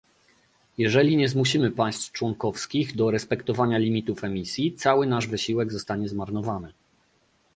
Jeżeli nie zmusimy państw członkowskich do respektowania limitów emisji, cały nasz wysiłek zostanie zmarnowany